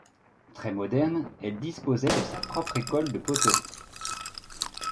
Très moderne, elle disposait de sa propre école de poterie.